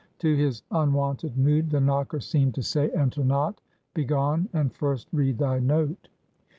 To his unwonted mood, the knocker seemed to say "Enter not! Begone, and first read thy note."